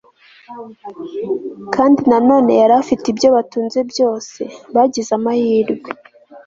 Kandi na none yari afite ibyo batunze byose bagize amahirwe